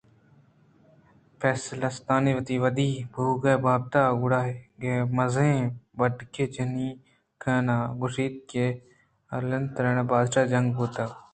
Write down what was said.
پیسپلستانے وتی ودی بُوہگے بابتءَ گُراگےءَ مزنیں بٹاک جَنی ئے کنان ءَ گوٛشگءَات کہ آایتھنز ءِ بادشاہ ءِ جنک بُوتگ